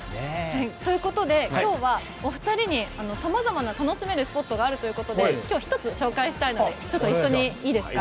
ということで今日はお二人にさまざまな楽しめるスポットがあるということで今日１つ紹介したいので一緒にいいですか？